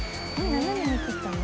斜めに切ったの？